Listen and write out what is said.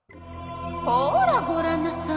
ほらごらんなさい。